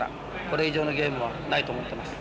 これ以上のゲームはないと思ってます。